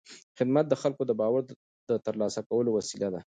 خدمت د خلکو د باور د ترلاسه کولو وسیله ده.